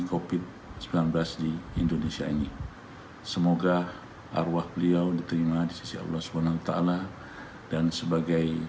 kopit sembilan belas di indonesia ini semoga arwah beliau diterima di sisi allah swt dan sebagai